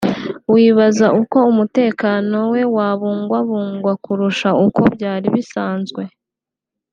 wibaza uko umutekano we wabungwabungwa kurusha uko byari bisanzwe